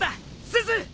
すず！